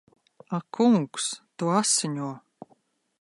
Ak kungs! Tu asiņo!